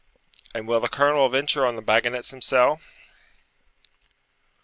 'And will the colonel venture on the bagganets himsell?'